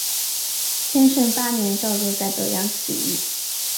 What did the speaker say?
天顺八年赵铎在德阳起义。